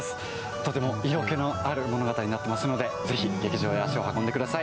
とても色気のある物語になっておりますのでぜひ劇場へ足を運んでください。